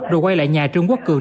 rồi quay lại nhà trương quốc cường